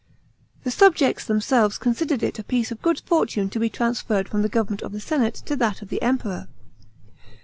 * The subjects themselves considered it a piece of good fortune to be transferred from the government of the senate to that of the Emperor.